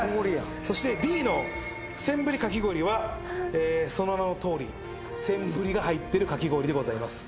そしてＤのセンブリかき氷はその名のとおりセンブリが入ってるかき氷でございます。